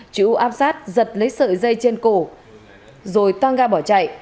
trữ áp sát giật lấy sợi dây trên cổ rồi toan ga bỏ chạy